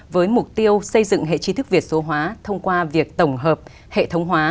với mục tiêu xây dựng hệ chi thức việt số hóa thông qua việc tổng hợp hệ thống hóa